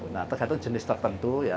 nah tergantung jenis tertentu ya